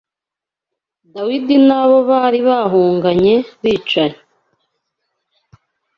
Dawidi n’abo bari bahunganye bicaye